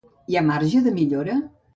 Hi ha marge de millora?